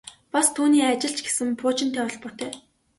Бас түүний ажил ч гэсэн пуужинтай холбоотой.